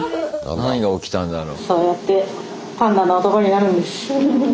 何が起きたんだろう。